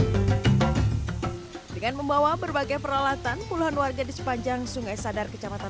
dengan membawa berbagai peralatan puluhan warga di sepanjang sungai sadar kecamatan